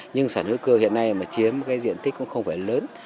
nhưng sản xuất hữu cơ hiện nay mà chiếm cái diện tích cũng không phải lớn